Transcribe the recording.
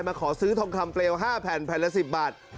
ขอซื้อทองคำเปลว๕แผ่นแผ่นละ๑๐บาท